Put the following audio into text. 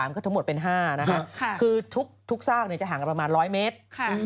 ก็ทั้งหมดเป็น๕นะคะคือทุกซากจะห่างประมาณ๑๐๐เมตร